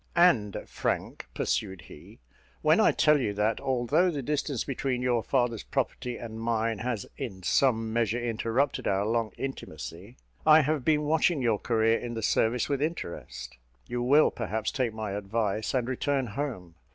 "And, Frank," pursued he, "when I tell you, that, although the distance between your father's property and mine has in some measure interrupted our long intimacy, I have been watching your career in the service with interest, you will, perhaps, take my advice, and return home.